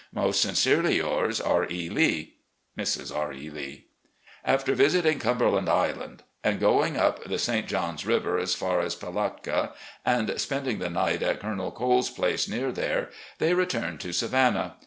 "Most sincerely yours, R. E. Lee. "Mrs. R. E. Lee." After visiting Cumberland Island and going up the St. John's River as far as Palatka, and spending the night at Colonel Cole's place near there, they returned to Savannah.